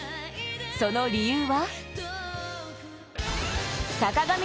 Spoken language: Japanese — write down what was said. その理由は。